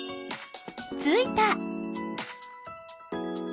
ついた。